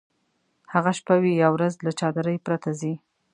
هغه شپه وي یا ورځ له چادرۍ پرته ځي.